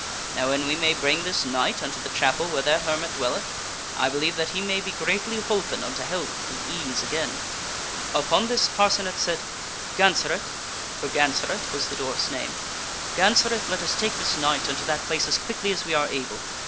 Now, an we may bring this knight unto the chapel where that hermit dwelleth, I believe that he may be greatly holpen unto health and ease again." Upon this Parcenet said, "Gansaret" for Gansaret was the dwarf's name " Gansaret, let us take this knight unto that place as quickly as we are able.